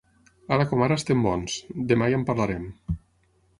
Ara com ara estem bons; demà ja en parlarem.